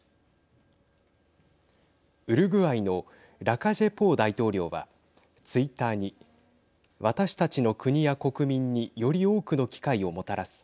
ウルグアイのラカジェポー大統領はツイッターに私たちの国や国民により多くの機会をもたらす。